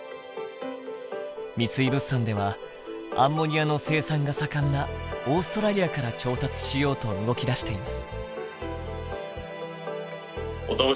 三井物産ではアンモニアの生産が盛んなオーストラリアから調達しようと動きだしています。